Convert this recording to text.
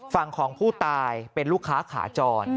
ฝั่งของผู้ตายเป็นลูกค้าขาจร